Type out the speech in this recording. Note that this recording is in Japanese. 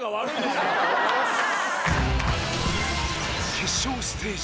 決勝ステージ